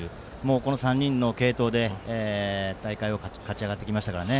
この３人の継投で、大会を勝ち上がってきましたからね。